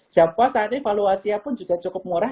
japo saat ini valuasinya pun juga cukup murah